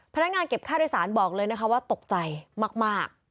พนักงานเก็บค่าโดยสารบอกเลยนะคะว่าตกใจมาก